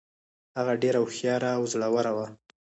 هغه ډیره هوښیاره او زړوره وه.